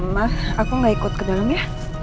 mas aku gak ikut ke dalam ya